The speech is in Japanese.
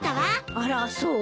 あらそう？